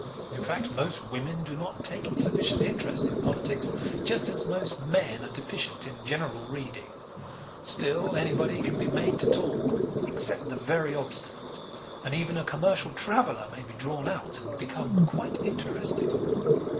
In fact, most women do not take sufficient interest in politics, just as most men are deficient in general reading. Still, anybody can be made to talk, except the very obstinate, and even a commercial traveller may be drawn out and become quite interesting.